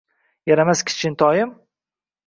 Yaramas kichkintoyim